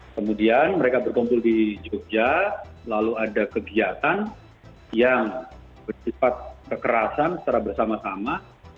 kemudian mereka berkumpul di jogja lalu ada kegiatan yang bersifat kekerasan secara bersama sama